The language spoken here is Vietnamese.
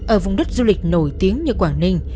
ở vùng đất du lịch nổi tiếng như quảng ninh